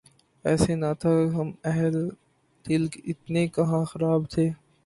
ایسے نہ تھے ہم اہلِ دل ، اتنے کہاں خراب تھے